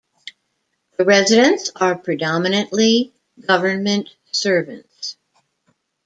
The residents are predominantly government servants.